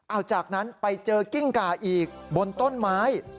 เอาจากนั้นไปเจอกิ้งกาอีกบนต้นไม้